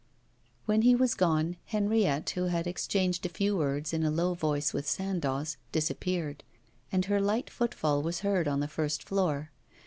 When he was gone, Henriette, who had exchanged a few words in a low voice with Sandoz, disappeared; and her light footfall was heard on the first floor.